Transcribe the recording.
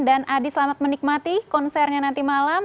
dan adi selamat menikmati konsernya nanti malam